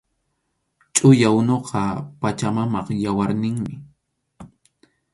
Chʼuya unuqa Pachamamap yawarninmi